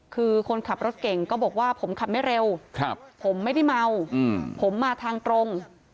คือคนขับรถเก่งก็บอกว่าผมขับไม่เร็วผมไม่ได้เมาผมมาทางตรง